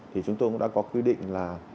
thì chúng tôi cũng đã có quy định là